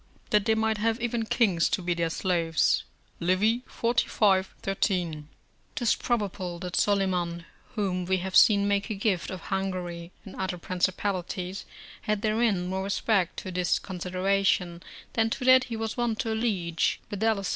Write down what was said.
["That they might have even kings to be their slaves." Livy, xlv. 13.] 'Tis probable that Solyman, whom we have seen make a gift of Hungary and other principalities, had therein more respect to this consideration than to that he was wont to allege, viz.